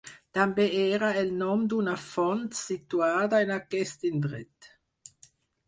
També era el nom d'una font situada en aquest indret.